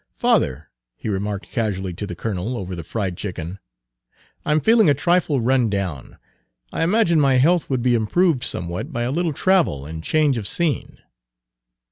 "Father," he remarked casually to the colonel, over the fried chicken, "I'm feeling a trifle run down. I imagine my health would be improved somewhat by a little travel and change of scene."